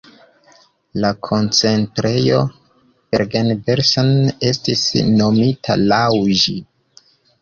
La koncentrejo Bergen-Belsen estis nomita laŭ ĝi.